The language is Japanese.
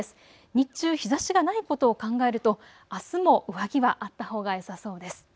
日中、日ざしがないことを考えるとあすも上着はあったほうがよさそうです。